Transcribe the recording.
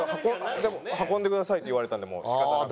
でも「運んでください」って言われたんでもう仕方なく。